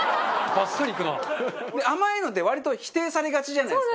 バカリズム：甘いのって、割と否定されがちじゃないですか。